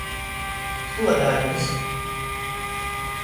Stuodaigys.